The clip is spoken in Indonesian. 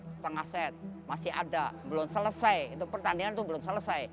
setengah set masih ada belum selesai itu pertandingan itu belum selesai